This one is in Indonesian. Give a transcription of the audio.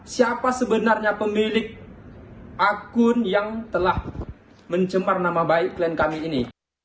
siapa sebenarnya pemilik akun yang telah mencemar nama baik klien kami ini